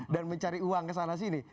dan mencari uang kesana sini